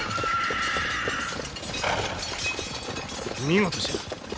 見事じゃ。